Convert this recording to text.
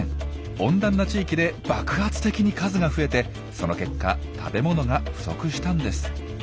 温暖な地域で爆発的に数が増えてその結果食べ物が不足したんです。